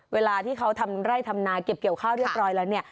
เวลาที่เขาทำไร่ทำนาเก็บเกี่ยวข้าวเรียบร้อยแล้วเนี่ย